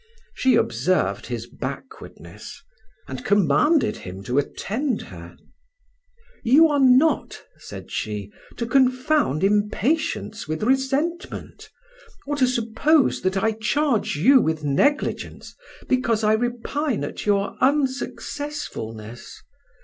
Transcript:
She observed his backwardness, and commanded him to attend her. "You are not," said she, "to confound impatience with resentment, or to suppose that I charge you with negligence because I repine at your unsuccessfulness.